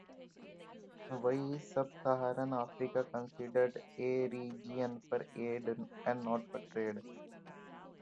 Why is Sub-Saharan Africa considered a region for aid and not for trade?